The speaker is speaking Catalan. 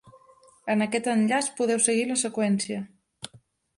En aquest enllaç podeu seguir la seqüència.